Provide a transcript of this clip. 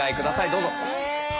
どうぞ。